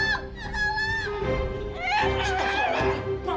lo tuh yang bego